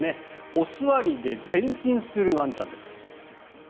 お座りで前進するワンちゃんです。